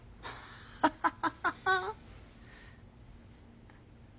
ハハハハ。